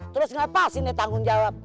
terus ngapasin dia tanggung jawab